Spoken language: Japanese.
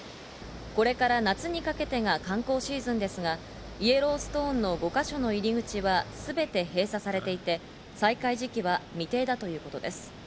これから夏にかけてが観光シーズンですが、イエローストーンの５か所の入り口はすべて閉鎖されていて、再開時期は未定だということです。